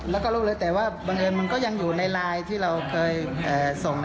แล้วก็รู้เลยแต่ว่าบังเอิญมันก็ยังอยู่ในไลน์ที่เราเคยส่ง